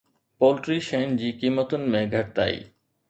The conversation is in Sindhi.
پولٽري شين جي قيمتن ۾ گهٽتائي